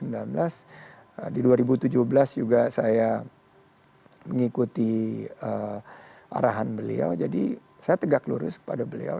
di dua ribu tujuh belas juga saya mengikuti arahan beliau jadi saya tegak lurus kepada beliau